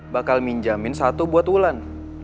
bakal minjamin satu buat wulan